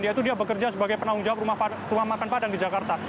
yaitu dia bekerja sebagai penanggung jawab rumah makan padang di jakarta